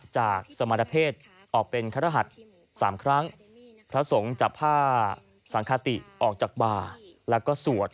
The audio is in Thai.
สมรเพศออกเป็นครหัส๓ครั้งพระสงฆ์จับผ้าสังคติออกจากบ่าแล้วก็สวด